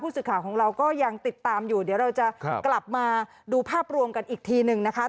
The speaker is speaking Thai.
สื่อข่าวของเราก็ยังติดตามอยู่เดี๋ยวเราจะกลับมาดูภาพรวมกันอีกทีหนึ่งนะคะ